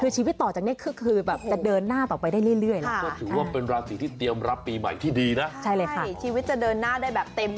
ชีวิตจะเดินหน้าได้แบบเต็มที่เต็มเหนียวสักทีหนึ่ง